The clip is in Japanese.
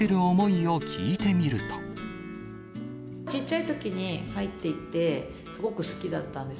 ちっちゃいときに入っていて、すごく好きだったんです。